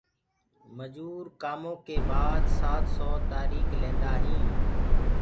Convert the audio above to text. مجور ڪآموُ ڪي بآد سآت سو تآريڪ لينٚدآ هينٚ